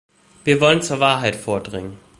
Wir wollen zur Wahrheit vordringen.